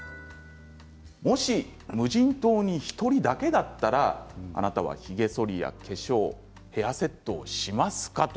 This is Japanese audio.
もし無人島に１人だけだったらあなたは、ひげそりや化粧ヘアセットをしますか？